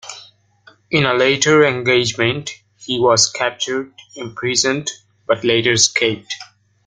In a later engagement, he was captured, imprisoned, but later escaped.